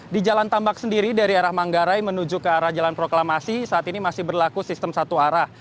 di jalan tambak sendiri dari arah manggarai menuju ke arah jalan proklamasi saat ini masih berlaku sistem satu arah